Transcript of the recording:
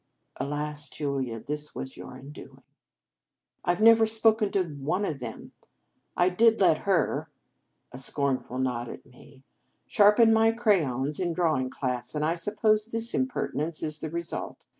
(Alas! Julia, this was your undoing.) " I Ve never spoken to one of them. I did let her" (a scorn ful nod at me) "sharpen my crayons in drawing class, and I suppose this impertinence is the result.